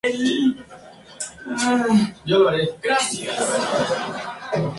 Lisa primero entrenó como bailarina con Sandra Burnham y luego en la Bush-Davies School.